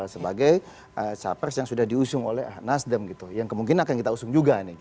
sebagai capapres yang sudah diusung oleh nasdem yang kemungkinan akan kita usung juga